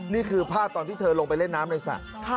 นี่คือภาพตอนที่เธอลงไปเล่นน้ำในสระ